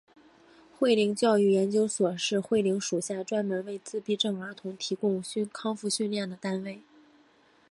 慧灵教育研究所是慧灵属下专门为自闭症儿童提供康复训练的单位。